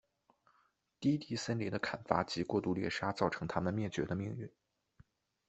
低地森林的砍伐及过度猎杀造成它们灭绝的命运。